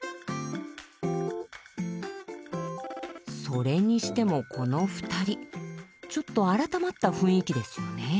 それにしてもこの２人ちょっと改まった雰囲気ですよね。